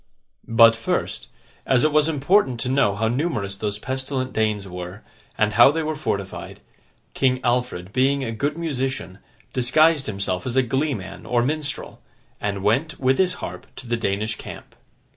But, first, as it was important to know how numerous those pestilent Danes were, and how they were fortified, King Alfred, being a good musician, disguised himself as a glee man or minstrel, and went, with his harp, to the Danish camp.